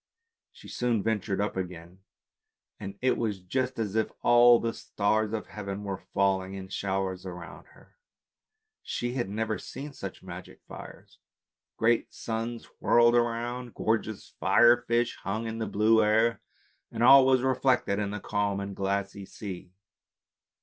She soon ventured up again, and it was just as if all the stars of heaven were falling in showers round about her. She had never seen such magic fires. Great suns whirled round, gorgeous fire fish hung in the blue air, and all was reflected in the calm and glassy sea.